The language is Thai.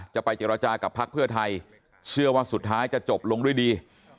จะไปเจรจากับพักเพื่อไทยเชื่อว่าสุดท้ายจะจบลงด้วยดี